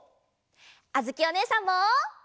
あづきおねえさんも。